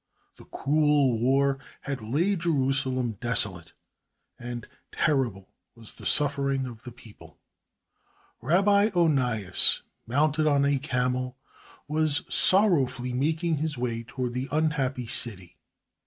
The cruel war had laid Jerusalem desolate, and terrible was the suffering of the people. Rabbi Onias, mounted on a camel, was sorrowfully making his way toward the unhappy city.